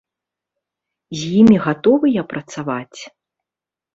З імі гатовыя працаваць?